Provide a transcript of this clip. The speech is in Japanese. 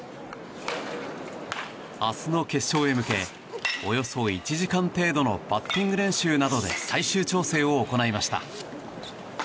明日の決勝へ向けおよそ１時間程度のバッティング練習などで最終調整を行いました。